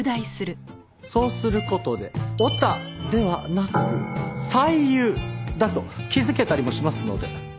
そうする事で「オタ」ではなく「才夕」だと気づけたりもしますので。